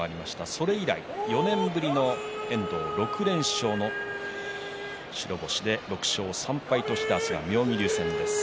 それ以来４年ぶりの遠藤６連勝の白星で６勝３敗として明日は妙義龍戦です。